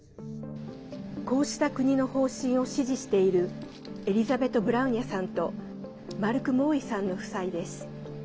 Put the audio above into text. こうした国の方針を支持しているエリザベト・ブラウニャさんとマルク・モーイさんの夫妻です。